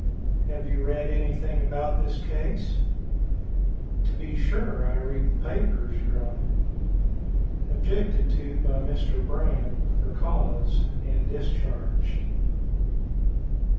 "Have you read anything about this case?" "To be sure, I read the papers, y'r Honor." Objected to by Mr. Braham, for cause, and discharged.